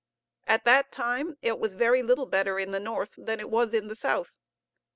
At that time it was very little better in the North than it was in the South.